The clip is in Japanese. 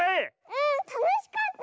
うんたのしかった！